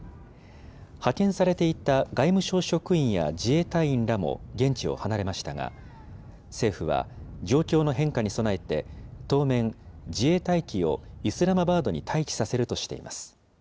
派遣されていた外務省職員や自衛隊員らも現地を離れましたが、政府は状況の変化に備えて、当面、自衛隊機をイスラマバードに待機させるとしています。